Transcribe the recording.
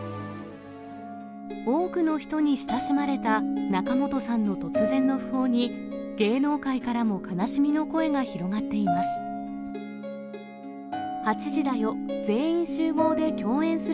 多くの人に親しまれた仲本さんの突然の訃報に、芸能界からも悲しみの声が広がっています。